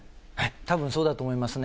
たぶん、そうだと思いますね。